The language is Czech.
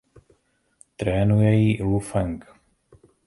Trénuje ji Liou Feng.